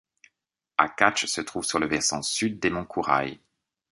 Akatch se trouve sur le versant sud des monts Kouraï.